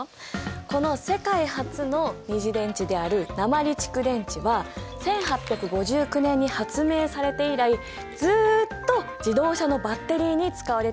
この世界初の二次電池である鉛蓄電池は１８５９年に発明されて以来ずっと自動車のバッテリーに使われ続けてきたんだ。